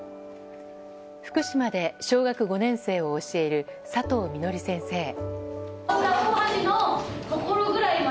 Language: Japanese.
福島で小学５年生を教える佐藤季先生。